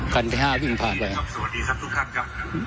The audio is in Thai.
คันที่ห้าวิ่งผ่านไปครับสวัสดีครับทุกท่านครับ